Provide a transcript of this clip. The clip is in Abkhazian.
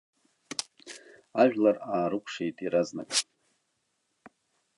Ажәлар аарыкәшеит иаразнак.